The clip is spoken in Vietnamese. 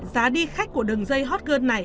giá đi khách của đường dây hot girl này